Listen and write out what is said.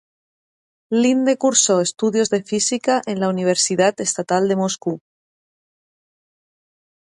Linde cursó estudios de física en la Universidad Estatal de Moscú.